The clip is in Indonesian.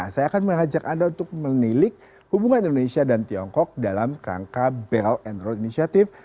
saya akan mengajak anda untuk menilik hubungan indonesia dan tiongkok dalam kerangka belt and road initiative